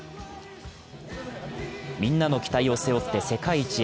みんなの期待を背負って世界一へ。